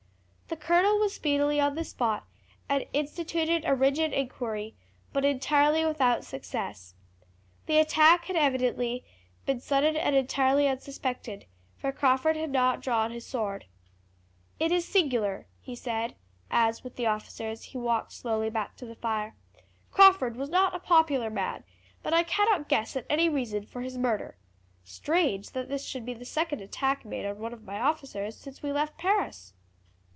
The colonel was speedily on the spot, and instituted a rigid inquiry, but entirely without success. The attack had evidently been sudden and entirely unsuspected, for Crawford had not drawn his sword. "It is singular," he said, as with the officers he walked slowly back to the fire. "Crawford was not a popular man, but I cannot guess at any reason for this murder. Strange that this should be the second attack made on my officers since we left Paris."